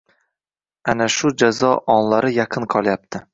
Ana shu jazo onlari yaqin qolyapti